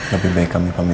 lebih baik kami pameran